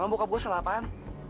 emang bokap gua salah apaan